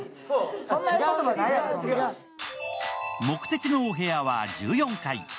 目的のお部屋は１４階。